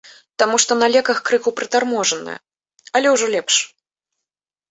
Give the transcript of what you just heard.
Таму што на леках, крыху прытарможаная, але ўжо лепш.